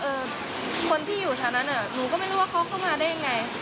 คนที่อยู่แถวนั้นอ่ะหนูก็ไม่รู้ว่าเขาเข้ามาได้ยังไง